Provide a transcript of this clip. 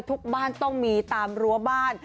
ทุกบ้านต้องมีตามรั้วบ้าน